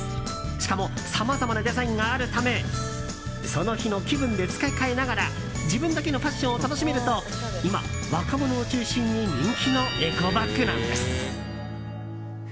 しかもさまざまなデザインがあるためその日の気分で付け替えながら自分だけのファッションを楽しめると今、若者を中心に人気のエコバッグなんです。